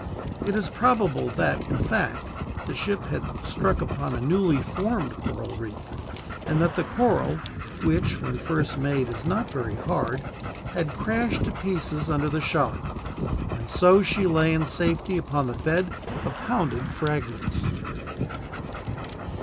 It is probable that, in fact, the ship had struck upon a newly formed coral reef; and that the coral which, when first made, is not very hard had crashed to pieces under the shock, and so she lay in safety upon the bed of pounded fragments.